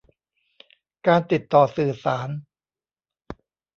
การติดต่อสื่อสาร